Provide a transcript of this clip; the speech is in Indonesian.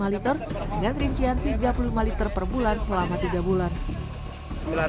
lima liter dengan rincian tiga puluh lima liter per bulan selama tiga bulan